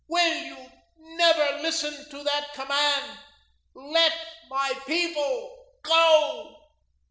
Will you never listen to that command 'LET MY PEOPLE GO'?